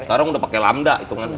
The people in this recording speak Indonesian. sekarang udah pakai lambda hitungan